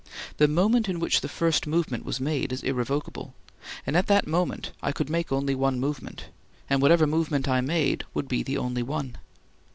The moment in which the first movement was made is irrevocable, and at that moment I could make only one movement, and whatever movement I made would be the only one.